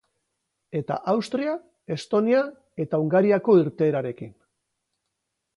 Eta Austria, Estonia eta Hungariako irteerarekin.